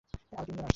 আরো তিনজন আসছে।